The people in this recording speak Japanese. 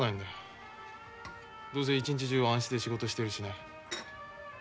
どうせ一日中暗室で仕事してるしね。